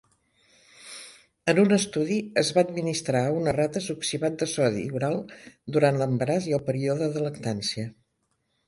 En un estudi, es va administrar a unes rates oxibat de sodi oral durant l'embaràs i el període de lactància.